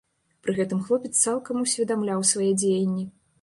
Пры гэтым хлопец цалкам усведамляў свае дзеянні.